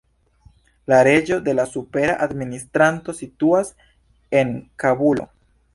La seĝo de la supera administranto situas en Kabulo.